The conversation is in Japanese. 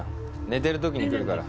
寝てる時に来るから。